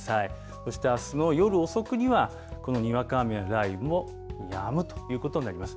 そして、あすの夜遅くには、このにわか雨や雷雨もやむということになります。